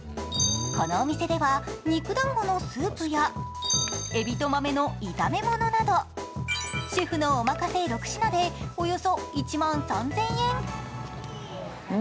このお店では肉団子のスープやエビと豆の炒め物など、シェフのおまかせ６品でおよそ１万３０００円。